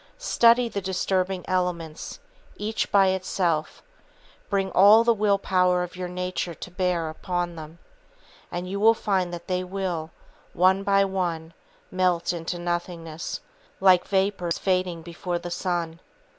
Study the disturbing elements, each by itself, bring all the will power of your nature to bear upon them, and you will find that they will, one by one, melt into nothingness, like vapors fading before the sun.